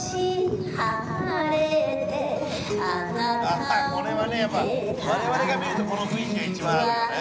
あこれはねやっぱ我々が見るとこの雰囲気が一番合うよね。